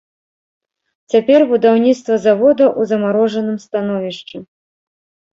Цяпер будаўніцтва завода ў замарожаным становішчы.